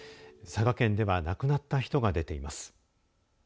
佐賀県では亡くなった人が出ています。